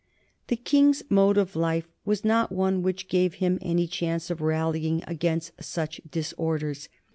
The King's mode of life was not one which gave him any chance of rallying against such disorders.